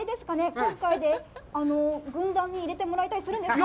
今回で軍団に入れてもらえたりするんですか？